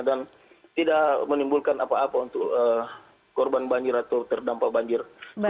dan tidak menimbulkan apa apa untuk korban banjir atau terdampak banjir